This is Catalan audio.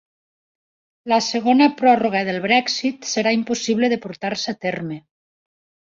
La segona pròrroga del Brexit serà impossible de portar-se a terme